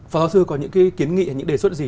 phó giáo sư có những kiến nghị hay những đề xuất gì